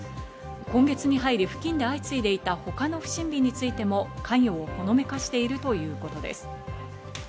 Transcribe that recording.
今月に入り、付近で相次いでいたほかの不審火についても関与をほのめかしているということです。